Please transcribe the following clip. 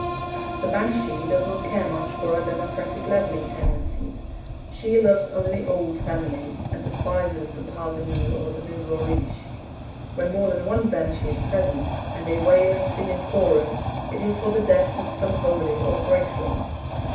The banshee does not care much for our democratic levelling tendencies; she loves only old families, and despises the parvenu or the nouveau riche. When more than one banshee is present, and they wail and sing in chorus, it is for the death of some holy or great one.